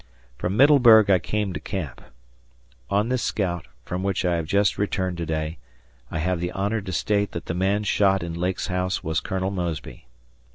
From Middleburg I came to camp. On this scout, from which I have just returned to day I have the honor to state that the man shot in Lake's house was Colonel Mosby.